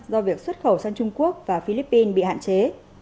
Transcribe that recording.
do việc xuất khẩu sang trung quốc và philippines bị hạn chế